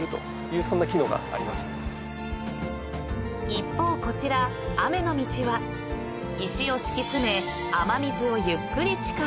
［一方こちら雨のみちは石を敷き詰め雨水をゆっくり地下へ］